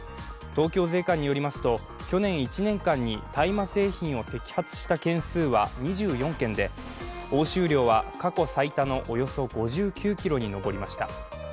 東京税関によりますと、去年１年間に大麻製品を摘発した件数は２４件で押収量は過去最多のおよそ５９ｋｇに上りました。